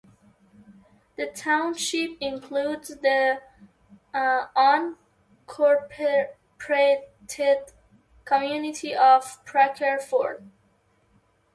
The township includes the unincorporated community of Parker Ford.